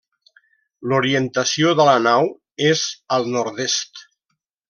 L'orientació de la nau és al nord-est.